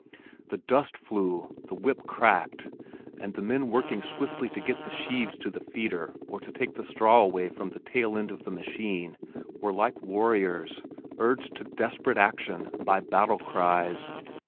The dust flew, the whip cracked, and the men working swiftly to get the sheaves to the feeder or to take the straw away from the tail end of the machine, were like warriors, urged to desperate action by battle cries.